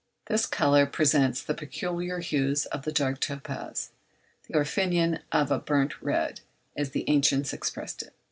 This colour presents the peculiar hues of the dark topaz, the orphninon of a burnt red, as the ancients expressed it.